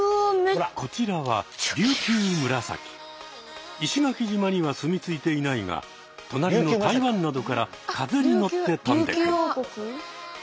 こちらは石垣島にはすみついていないがとなりの台湾などから風に乗って飛んでくる。